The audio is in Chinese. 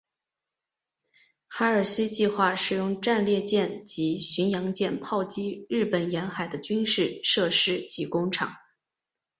哈尔西计划使用战列舰及巡洋舰炮击日本沿海的军事设施及工厂。